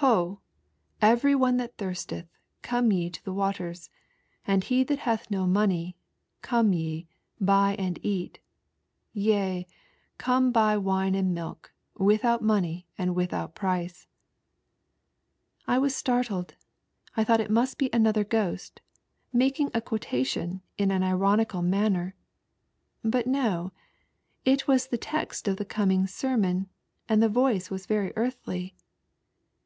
"Ho, every one that thirsteth come yc to ihe waters, and he that hath no money, come ye, bay and eat ; yea, come buy nine and milk, without money and without price." I was startled ; I thought it most be another ghost making a qaotation in an ironical manner : but no, it was the test of the coming aennon, and the voice was very earthly.